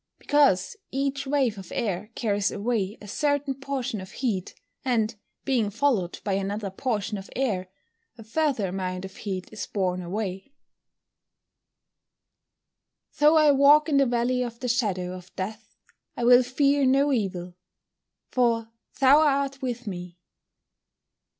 _ Because each wave of air carries away a certain portion of heat and being followed by another portion of air, a further amount of heat is borne away. [Verse: "Though I walk in the valley of the shadow of death I will fear no evil, for thou art with me."